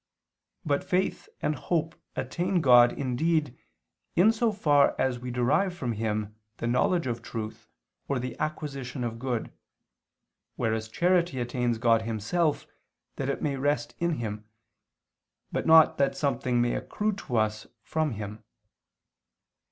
But faith and hope attain God indeed in so far as we derive from Him the knowledge of truth or the acquisition of good, whereas charity attains God Himself that it may rest in Him, but not that something may accrue to us from Him.